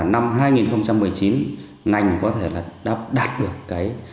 năm hai nghìn một mươi chín ngành có thể đạt được